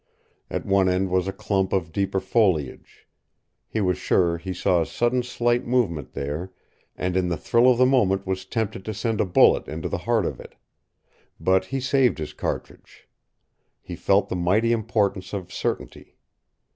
At one end was a clump of deeper foliage. He was sure he saw a sudden slight movement there, and in the thrill of the moment was tempted to send a bullet into the heart of it. But he saved his cartridge. He felt the mighty importance of certainty.